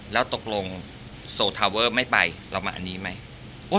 แล้วตกลงโซทาเวอร์ไม่ไปเรามาอันนี้ไหม